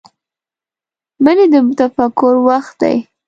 منی د تفکر وخت دی